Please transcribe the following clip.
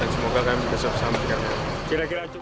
semoga kami bisa bersama di kampung